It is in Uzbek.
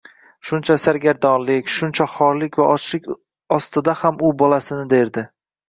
Shuncha sargardonlik, shuncha xorlik va ochlik ostida ham u bolasini derdi.